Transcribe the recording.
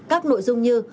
các nội dung như